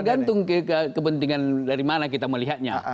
tergantung kepentingan dari mana kita melihatnya